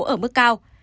ở mức cao